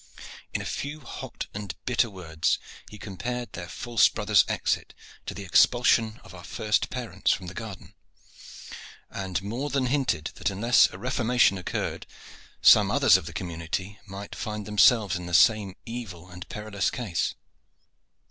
In a few hot and bitter words, he compared their false brother's exit to the expulsion of our first parents from the garden, and more than hinted that unless a reformation occurred some others of the community might find themselves in the same evil and perilous case.